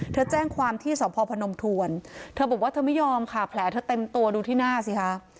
แจ้งความที่สพพนมทวนเธอบอกว่าเธอไม่ยอมค่ะแผลเธอเต็มตัวดูที่หน้าสิคะ